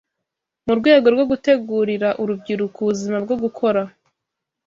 Mu rwego rwo gutegurira urubyiruko ubuzima bwo gukora